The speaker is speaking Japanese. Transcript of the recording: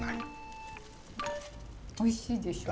おいしいでしょ？